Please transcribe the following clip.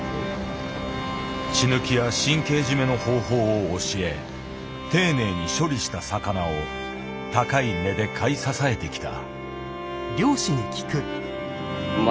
血抜きや神経締めの方法を教え丁寧に処理した魚を高い値で買い支えてきた。